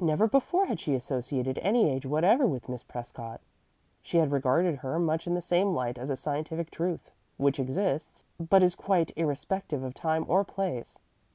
Never before had she associated any age whatever with Miss Prescott. She had regarded her much in the same light as a scientific truth, which exists, but is quite irrespective of time or place.